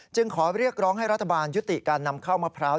ขอเรียกร้องให้รัฐบาลยุติการนำเข้ามะพร้าว